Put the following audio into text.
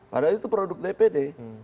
padahal itu produk dpd